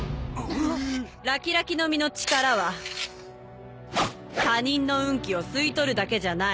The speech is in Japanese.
ラキラキの実の力は他人の運気を吸い取るだけじゃない。